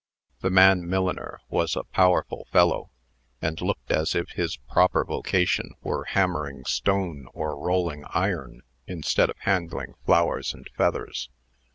The man milliner was a powerful fellow, and looked as if his proper vocation were hammering stone or rolling iron, instead of handling flowers and feathers.